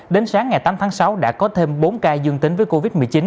đến sáng ngày tám tháng sáu đã có thêm bốn ca dương tính với covid một mươi chín